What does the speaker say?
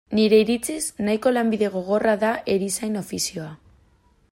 Nire iritziz, nahiko lanbide gogorra da erizain ofizioa.